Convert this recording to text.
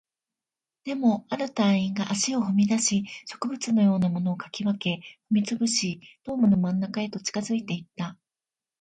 でも、ある隊員が足を踏み出し、植物のようなものを掻き分け、踏み潰し、ドームの真ん中へと近づいていった